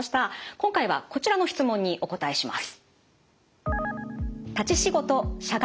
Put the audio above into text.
今回はこちらの質問にお答えします。